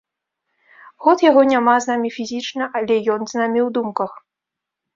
Год яго няма з намі фізічна, але ён з намі ў думках.